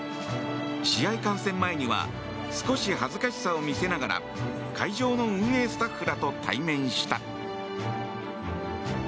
試合観戦前には少し恥ずかしさを見せながら会場の運営スタッフらと対面した。